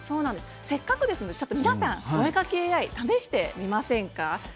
せっかくですので皆さん、お絵描きＡＩ試してみませんか？